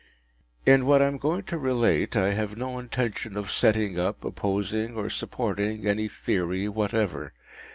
In what I am going to relate, I have no intention of setting up, opposing, or supporting, any theory whatever.